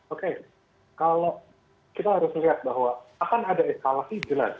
oke kalau kita harus lihat bahwa akan ada eskalasi jelas